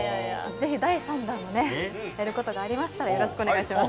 ぜひ第３弾もねやることがありましたらよろしくお願いします。